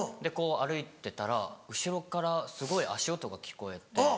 こう歩いてたら後ろからすごい足音が聞こえて。